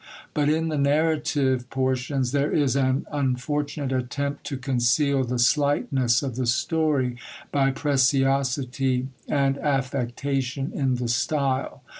But in the narrative portions there is an unfortunate attempt to conceal the slightness of the story by preciosity and affectation in the style.